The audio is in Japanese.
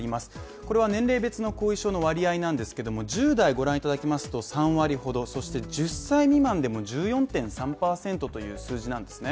これは年齢別の後遺症の割合なんですが１０代御覧いただきますと３割程、１０歳未満でも１４．３％という数字なんですね。